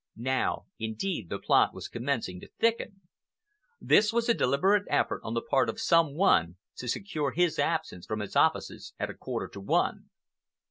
Now indeed the plot was commencing to thicken. This was a deliberate effort on the part of some one to secure his absence from his offices at a quarter to one.